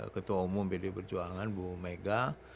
ketua umum pdi perjuangan bu mega